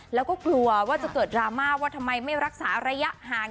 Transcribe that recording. แล้วก็กลัวว่าจะเกิดดราม่าว่าทำไมไม่รักษาระยะห่าง